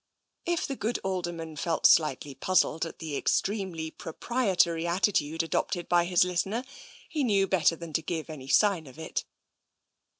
If the good Alderman felt slightly puzzled at the extremely proprietary attitude adopted by his listener, he knew better than to give any sign of it.